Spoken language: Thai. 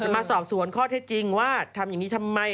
มาสอบสวนข้อเท็จจริงว่าทำอย่างนี้ทำไม